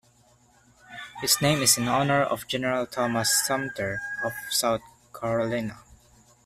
Its name is in honor of General Thomas Sumter of South Carolina.